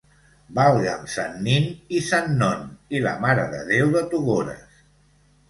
Valga'm sant Nin i sant Non i la Mare de Déu de Togores!